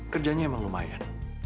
kerjanya emang lumayan